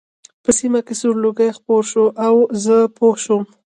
په سیمه کې سور لوګی خپور شو او زه پوه شوم